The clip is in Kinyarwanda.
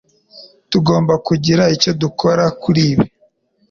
Tugomba kugira icyo dukora kuri ibi.